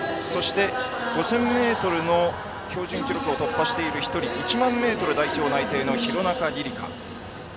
５０００ｍの標準記録を突破している１人１００００ｍ代表内定の廣中璃梨佳です。